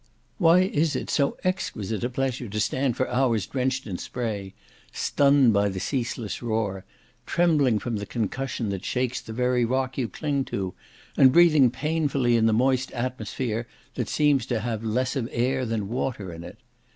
Why is it so exquisite a pleasure to stand for hours drenched in spray, stunned by the ceaseless roar, trembling from the concussion that shakes the very rock you cling to, and breathing painfully in the moist atmosphere that seems to have less of air than water in it?